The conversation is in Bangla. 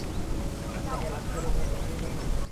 আপনি তাকে লাশ হিসেবে ফেরত পাঠানোর জন্য?